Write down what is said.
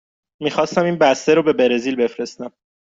می خواهم این بسته را به برزیل بفرستم.